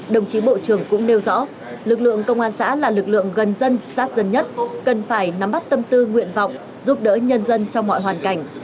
đồng chí bộ trưởng cũng nêu rõ lực lượng công an xã là lực lượng gần dân sát dân nhất cần phải nắm bắt tâm tư nguyện vọng giúp đỡ nhân dân trong mọi hoàn cảnh